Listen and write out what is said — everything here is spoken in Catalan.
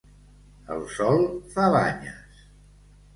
El sol fa banyes.